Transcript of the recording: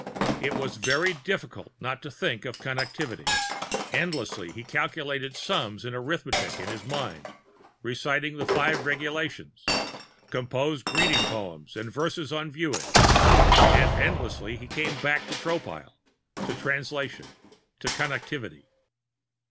It was very difficult to not think of Connectivity. Endlessly he calculated sums in arithmetic in his mind, recited the Five Regulations, composed Greeting Poems and Verses on Viewing. And endlessly he kept coming back to Tropile, to Translation, to Connectivity.